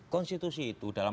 konstitusi itu dalam